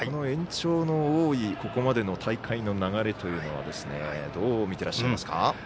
延長の多いここまでの大会の流れどう見てらっしゃいますか？